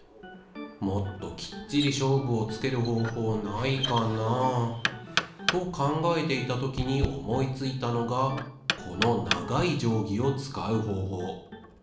もっときっちり勝負をつける方法ないかなあと考えていた時に思いついたのがこの長い定規を使う方法。